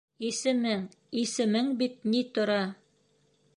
Исемең, исемең бит ни тора!